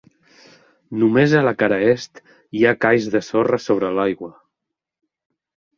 Només a la cara est, hi ha cais de sorra sobre l'aigua.